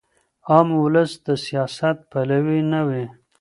عام ولس د سیاست پلوی نه وي.